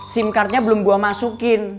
sim cardnya belum gua masukin